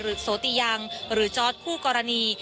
หรือโสติยังหรือจอสคู่กรณี